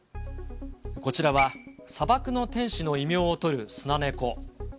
こちらは、砂漠の天使の異名を取るスナネコ。